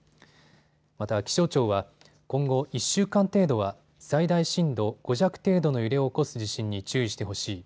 また気象庁は今後１週間程度は最大震度５弱程度の揺れを起こす地震に注意してほしい。